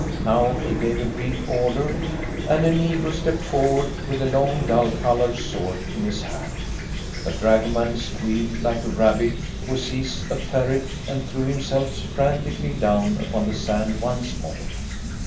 "Now he gave a brief order, and a negro stepped forward with a long, dull coloured sword in his hand. The dragoman squealed like a rabbit who sees a ferret, and threw himself frantically down upon the sand once more.